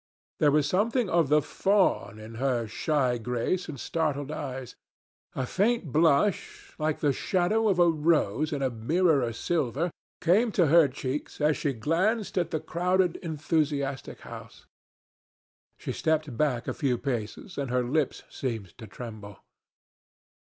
There was something of the fawn in her shy grace and startled eyes. A faint blush, like the shadow of a rose in a mirror of silver, came to her cheeks as she glanced at the crowded enthusiastic house. She stepped back a few paces and her lips seemed to tremble.